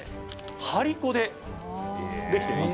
張り子でできています。